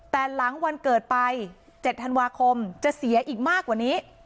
แต่หลังวันเกิดไป๗ธันวาคมจะเสียอีกมากกว่านี้